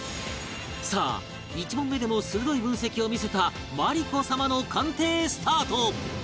さあ１問目でも鋭い分析を見せたマリコ様の鑑定スタート！